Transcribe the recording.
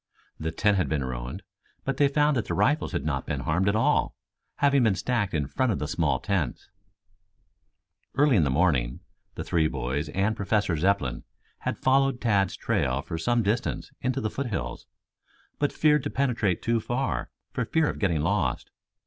The tent had been ruined, but they found that the rifles had not been harmed at all, having been stacked in front of the small tents. Early in the morning the three boys and Professor Zepplin had followed Tad's trail for some distance into the foothills, but feared to penetrate too far for fear of getting lost.